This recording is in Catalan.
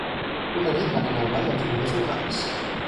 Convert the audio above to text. Una nit van anar al ball dels bombers locals.